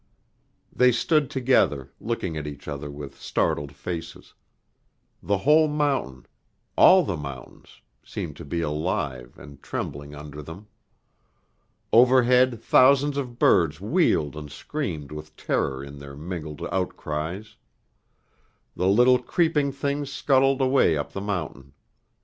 They stood together, looking at each other with startled faces. The whole mountain, all the mountains, seemed to be alive and trembling under them. Overhead thousands of birds wheeled and screamed with terror in their mingled outcries. The little creeping things scuttled away up the mountain.